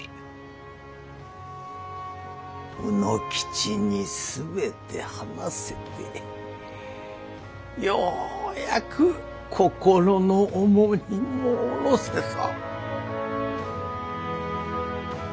卯之吉にすべて話せてようやく心の重荷も下ろせた。